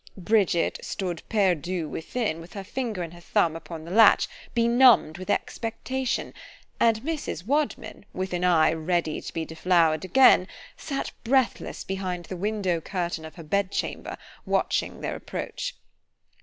Bridget stood perdue within, with her finger and her thumb upon the latch, benumb'd with expectation; and Mrs Wadman, with an eye ready to be deflowered again, sat breathless behind the window curtain of her bed chamber, watching their approach.